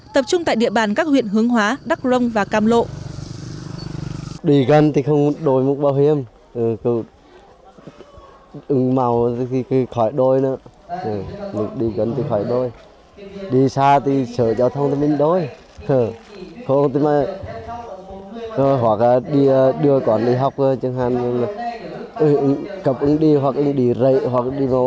tập trung tại địa bàn các huyện hướng hóa đắk rông và cam lộ